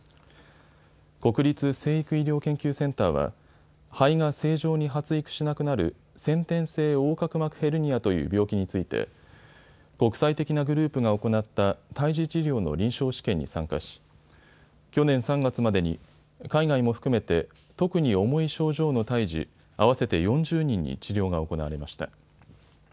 国立成育医療研究センターは肺が正常に発育しなくなる先天性横隔膜ヘルニアという病気について国際的なグループが行った胎児治療の臨床試験に参加し去年３月までに海外も含めて特に重い症状の胎児、合わせて４０人に治療が行われました。